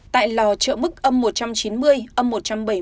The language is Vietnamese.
tại lò chợ mức âm một trăm chín mươi âm một trăm bảy mươi